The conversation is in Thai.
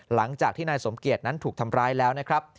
หลังจากที่นายสมเกียจนั้นถูกทำร้ายแล้วนะครับ